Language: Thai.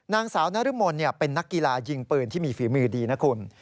นางสาวนรมนเป็นนักกีฬายิงปืนที่มีฝีมือดีนะคุณ